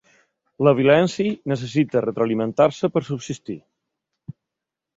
La violència necessita retroalimentar-se per subsistir.